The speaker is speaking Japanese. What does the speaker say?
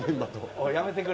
おいやめてくれ。